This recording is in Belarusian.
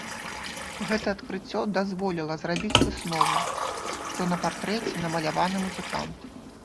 Гэта адкрыццё дазволіла зрабіць выснову, што на партрэце намаляваны музыкант.